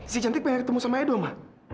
si cantik pengen ketemu sama edo ma